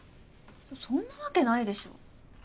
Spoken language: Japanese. そんなわけないでしょ。